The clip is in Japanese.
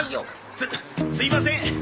すすいません。